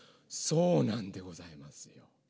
そうなんでございます。